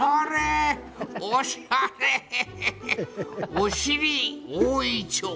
おしりおおいちょう！